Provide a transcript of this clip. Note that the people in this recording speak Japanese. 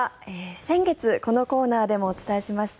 先月このコーナーでもお伝えしました